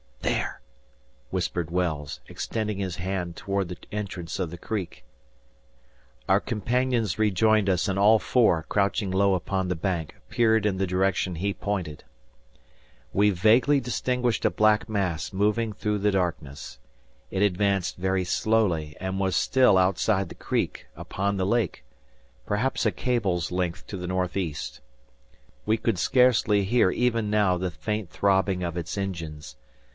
"There!" whispered Wells, extending his hand toward the entrance of the creek. Our companions rejoined us, and all four, crouching low upon the bank, peered in the direction he pointed. We vaguely distinguished a black mass moving through the darkness. It advanced very slowly and was still outside the creek, upon the lake, perhaps a cable's length to the northeast. We could scarcely hear even now the faint throbbing of its engines.